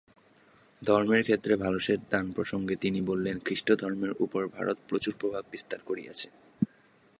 ধর্মের ক্ষেত্রে ভারতের দানপ্রসঙ্গে তিনি বলেন, খ্রীষ্টধর্মের উপর ভারত প্রচুর প্রভাব বিস্তার করিয়াছে।